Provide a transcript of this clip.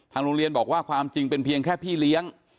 โรงเรียนบอกว่าความจริงเป็นเพียงแค่พี่เลี้ยง